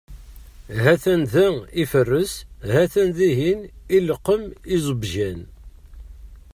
Ha-t-an da iferres, ha-t-an dihin ileqqem iẓebbjan.